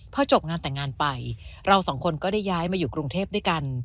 พอจบงานแต่งงานไปเราสองคนก็ได้ย้ายมาอยู่กรุงเทพด้วยกัน